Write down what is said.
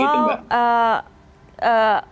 itu itu mbak